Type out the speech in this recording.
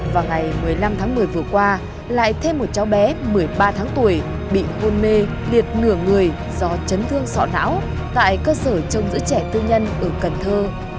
vào ngày một mươi năm tháng một mươi vừa qua lại thêm một cháu bé một mươi ba tháng tuổi bị hôn mê liệt nửa người do chấn thương sọ não tại cơ sở trong giữ trẻ tư nhân ở cần thơ